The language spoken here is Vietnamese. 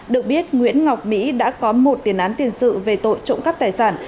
được biết nguyễn ngọc mỹ đã có một tiền án tiền sự về tội trộm cắp tài sản